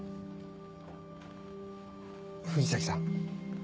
藤崎さん。